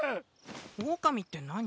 オオカミって何？